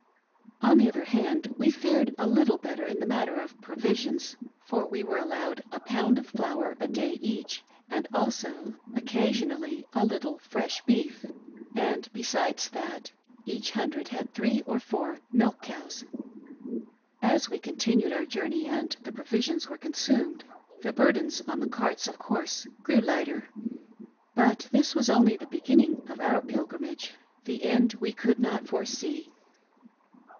On the other hand, we fared a little better in the matter of provisions, for we were allowed a pound of flour a day each, and also, occasionally, a little fresh beef, and, besides that, each hundred had three or four milch cows. As we continued our journey, and the provisions were consumed, the burdens on the carts, of course, grew lighter. " But this was only the beginning of our pilgrimage :t— th« end we could not foresee.